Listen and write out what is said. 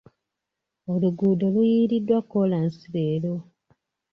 Oluguudo luyiiriddwa kolansi leero.